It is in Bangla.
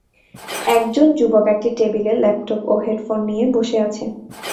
একজন যুবক একটি টেবিলে ল্যাপটপ ও হেডফোন নিয়ে বসে আছে।